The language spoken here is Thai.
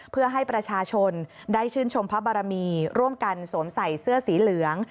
เพื่อให้ประชาชนได้ชื่นชมพระบารมีร่วมกันสวมใส่เสื้อสีเหลือง